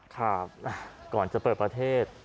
ครับก่อนจะเปิดประเทศ